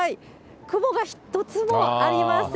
雲が一つもありません。